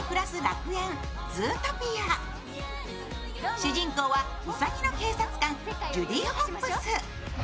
主人公はうさぎの警察官、ジュディ・ホップス。